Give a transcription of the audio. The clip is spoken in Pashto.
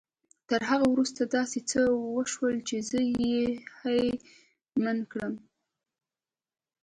تر هغه وروسته داسې څه وشول چې زه يې هيλε مند کړم.